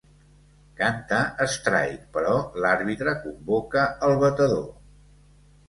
Canta strike, però l'àrbitre convoca el batedor.